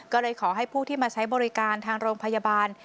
ก็เลยขอให้ผู้ที่มาใช้บริการทางโรงพยาบาล